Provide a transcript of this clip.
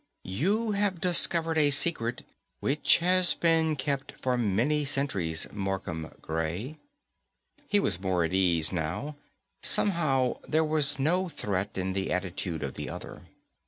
You have discovered a secret which has been kept for many centuries, Markham Gray. He was more at ease now; somehow there was no threat in the attitude of the other.